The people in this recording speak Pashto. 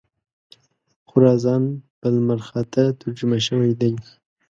خراسان په لمرخاته ترجمه شوی دی.